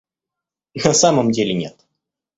На самом деле нет